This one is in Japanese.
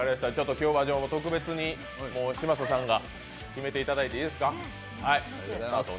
今日は特別に嶋佐さんが決めていただいていいですか。